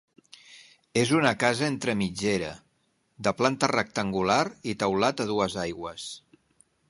És una casa entre mitgera, de planta rectangular i teulat a dues aigües.